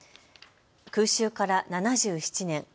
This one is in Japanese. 空襲から７７年。